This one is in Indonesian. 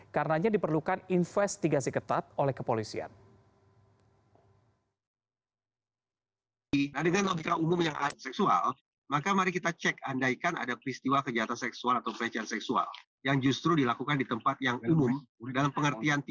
karenanya diperlukan investigasi ketat oleh kepolisian